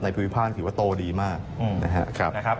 ภูมิภาคถือว่าโตดีมากนะครับ